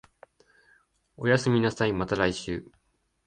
おやすみなさい、また来週